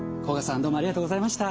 甲賀さんどうもありがとうございました。